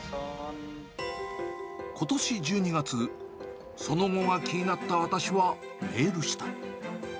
ことし１２月、その後が気になった私はメールした。